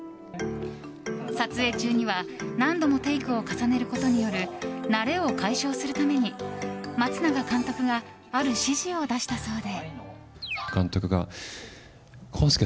撮影中には何度もテイクを重ねることによる慣れを解消するために松永監督がある指示を出したそうで。